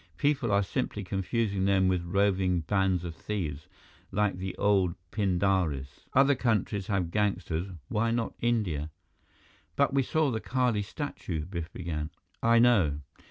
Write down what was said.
People are simply confusing them with roving bands of thieves, like the old pindaris. Other countries have gangsters, why not India?" "But we saw the Kali statue " Biff began. "I know.